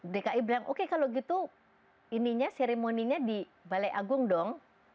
dki bilang oke kalau gitu ininya seremoninya di balai agung dong